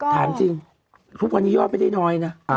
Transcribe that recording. ถามจริงทุกวันนี้ยอดไม่ได้น้อยนะ